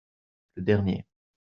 Le dernier.